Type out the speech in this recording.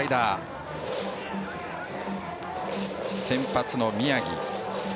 先発の宮城。